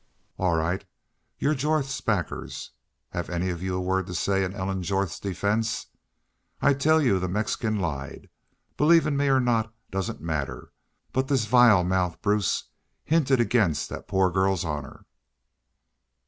"'All right. You're Jorth's backers. Have any of you a word to say in Ellen Jorth's defense? I tell you the Mexican lied. Believin' me or not doesn't matter. But this vile mouthed Bruce hinted against thet girl's honor.'